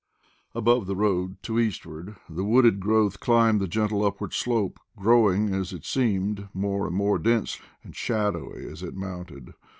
Above the road, to eastward, the wooded growth climbed the gentle upward slope, growing, as it seemed, more and more dense and shadowy as it mounted.